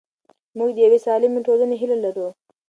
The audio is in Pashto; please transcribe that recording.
موږ د یوې سالمې ټولنې هیله لرو.